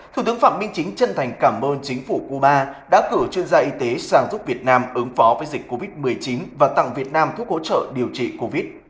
thủ tướng phạm minh chính chân thành cảm ơn chính phủ cuba đã cử chuyên gia y tế sang giúp việt nam ứng phó với dịch covid một mươi chín và tặng việt nam thuốc hỗ trợ điều trị covid